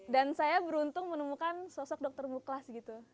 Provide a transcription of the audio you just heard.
dan saya beruntung menemukan sosok dokter mukhlas